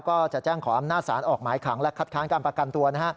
ก็จะแจ้งขออำนาจสารออกหมายขังและคัดค้านการประกันตัวนะฮะ